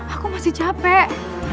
aku masih capek